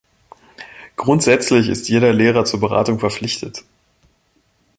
Grundsätzlich ist jeder Lehrer zur Beratung verpflichtet.